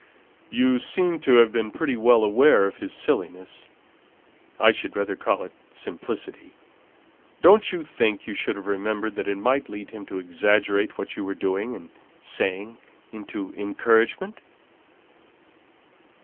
"You seem to have been pretty well aware of his silliness (I should rather call it simplicity). Don't you think you should have remembered that it might lead him to exaggerate what you were doing and saying into encouragement?"